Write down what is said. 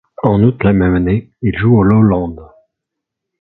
En août la même année, ils jouent au Lowlands.